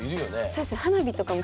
そうですね。